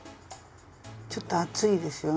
ちょっと厚いですよね？